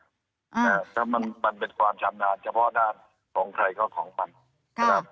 อือถ้ามันมันเป็นความจำนาญจะพ่อด้านของใครก็ของมันค่ะ